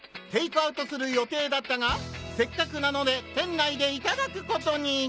テイクアウトする予定だったがせっかくなので店内でいただくコトに！